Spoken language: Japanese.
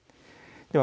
では